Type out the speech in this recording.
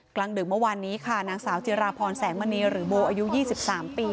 กลางดึกเมื่อวานนี้ค่ะนางสาวจิราพรแสงมณีหรือโบอายุ๒๓ปี